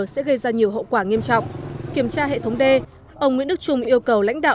sẽ gây ra nhiều hậu quả nghiêm trọng kiểm tra hệ thống đê ông nguyễn đức trung yêu cầu lãnh đạo